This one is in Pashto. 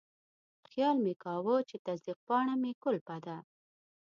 خیال مې کاوه چې تصدیق پاڼه مې کلپه ده.